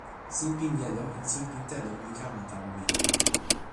sinpin jelo en sinpin telo li kama tawa mi.